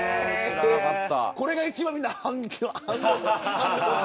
これが一番みんな反応。